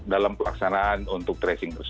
dalam pelaksanaan untuk tracing